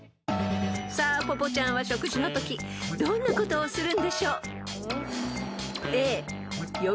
［さあぽぽちゃんは食事のときどんなことをするんでしょう？］